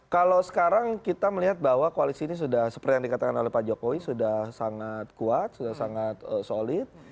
kalau sekarang kita melihat bahwa koalisi ini sudah seperti yang dikatakan oleh pak jokowi sudah sangat kuat sudah sangat solid